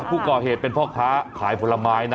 ผู้ก่อเหตุเป็นพ่อค้าขายผลไม้นะ